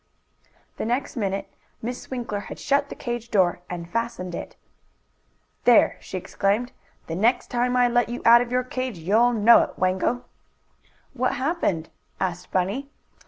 The next minute Miss Winkler had shut the cage door and fastened it. "There!" she exclaimed, "the next time I let you out of your cage you'll know it, Wango!" "What happened?" asked Bunny.